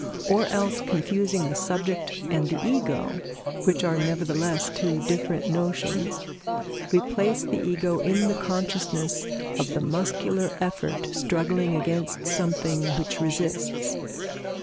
Or else, confusing the subject and the Ego, which are nevertheless two different notions, we place the Ego in the consciousness of the muscular effort struggling against something which resists.